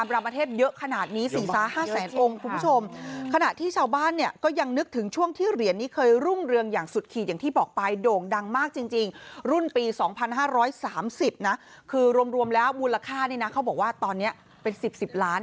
แล้วมูลค่าเนี่ยนะเขาบอกว่าตอนนี้เป็น๑๐๑๐ล้าน